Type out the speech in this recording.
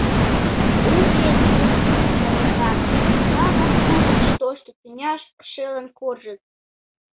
Уке гын «шергакан» уна-влак угыч тошто тӱняш шылын куржыт.